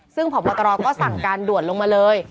ซึ่งผอบตรก็สั่งการด่วนลงมาเลย